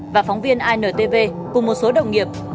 và phóng viên intv cùng một số đồng nghiệp